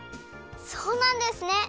そうなんですね！